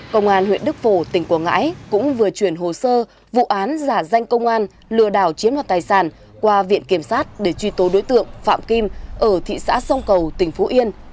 công an huyện đức phổ tỉnh quảng ngãi cũng vừa chuyển hồ sơ vụ án giả danh công an lừa đảo chiếm đoạt tài sản qua viện kiểm sát để truy tố đối tượng phạm kim ở thị xã sông cầu tỉnh phú yên